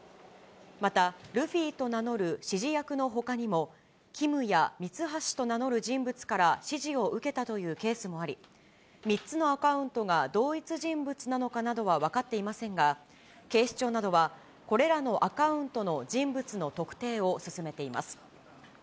また、ルフィと名乗る指示役のほかにも、ＫＩＭやミツハシと名乗る人物から指示を受けたというケースもあり、３つのアカウントが同一人物なのかなどは分かっていませんが、警視庁などは、これらのアカウントの人物の特定を進めています。